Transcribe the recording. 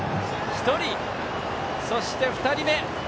１人、そして２人目。